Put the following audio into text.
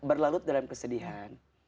berlalut dalam kesedihan